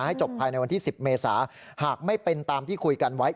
ให้จบภายในวันที่๑๐เมษาหากไม่เป็นตามที่คุยกันไว้